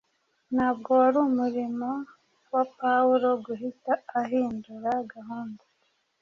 Ntabwo wari umurimo wa Pawulo guhita ahindura gahunda